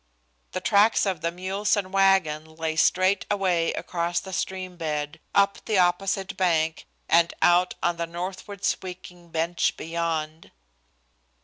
The tracks of the mules and wagon lay straight away across the stream bed up the opposite bank and out on the northward sweeping bench beyond.